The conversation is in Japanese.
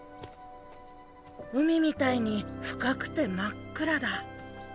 海みたいに深くて真っ暗だ。